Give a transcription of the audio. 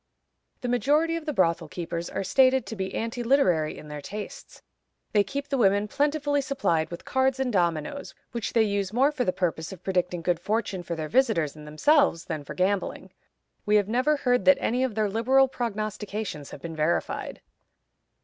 The majority of the brothel keepers are stated to be anti literary in their tastes. They keep the women plentifully supplied with cards and dominoes, which they use more for the purpose of predicting good fortunes to their visitors and themselves than for gambling. We have never heard that any of their liberal prognostications have been verified.